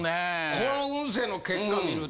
この運勢の結果見ると。